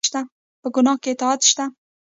په ګناه کې اطاعت شته؟